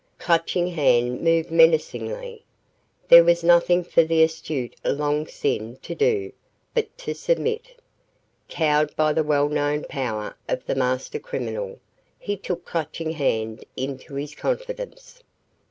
Clutching Hand moved menacingly. There was nothing for the astute Long Sin to do but to submit. Cowed by the well known power of the master criminal, he took Clutching Hand into his confidence.